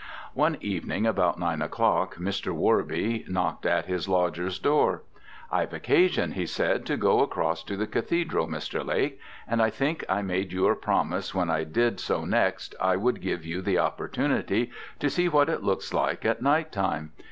One evening, about nine o'clock, Mr. Worby knocked at his lodger's door. "I've occasion," he said, "to go across to the Cathedral, Mr. Lake, and I think I made you a promise when I did so next I would give you the opportunity to see what it looks like at night time.